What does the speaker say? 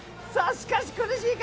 しかし苦しいか！？